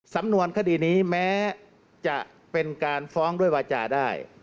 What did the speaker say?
สำนวนคดีนี้แม้จะเป็นการฟ้องด้วยวาจาได้